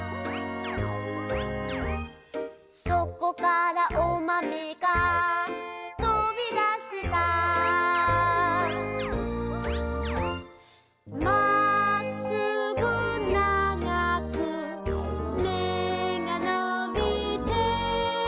「そこからおまめが飛びだした」「まっすぐ長く芽がのびて」